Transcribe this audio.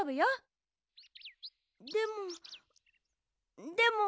でもでも。